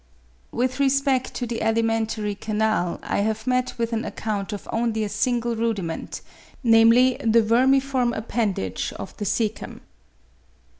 With respect to the alimentary canal, I have met with an account of only a single rudiment, namely the vermiform appendage of the caecum.